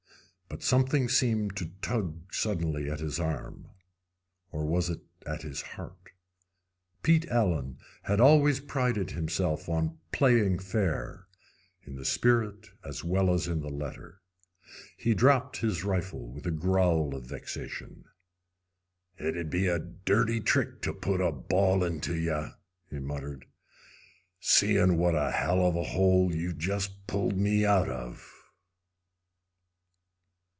But something seemed to tug suddenly at his arm or was it at his heart? Pete Allen had always prided himself on playing fair, in the spirit as well as in the letter. He dropped his rifle with a growl of vexation. "It'd be a dirty trick to put a ball into yeh," he muttered, "seein' what a hell of a hole you've just pulled me out of!"